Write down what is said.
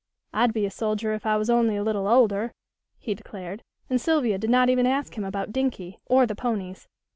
"I'd be a soldier if I was only a little older," he declared; and Sylvia did not even ask him about Dinkie, or the ponies.